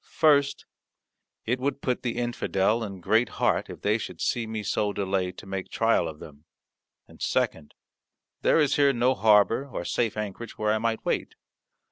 First, it would put the infidel in great heart if they should see me so delay to make trial of them; and, second, there is here no harbour or safe anchorage where I might wait.